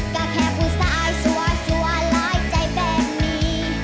ก็แค่ผู้สายสัวหลายใจแบบนี้